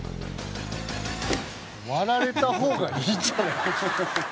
「割られた方がいいんじゃないか」